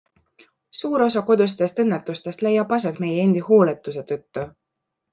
Suur osa kodustest õnnetustest leiab aset meie endi hooletuse tõttu.